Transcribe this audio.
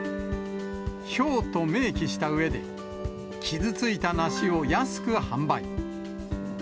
ひょうと明記したうえで、傷ついた梨を安く販売。